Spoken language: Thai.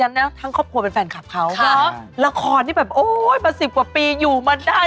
นะทั้งครอบครัวเป็นแฟนคลับเขาเหรอละครนี่แบบโอ้ยมาสิบกว่าปีอยู่มาได้